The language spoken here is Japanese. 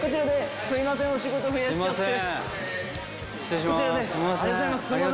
すいませんお仕事増やしちゃって。